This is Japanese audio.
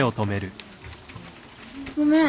ごめん。